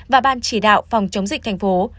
và ban chỉ đạo phòng chống dịch thành phố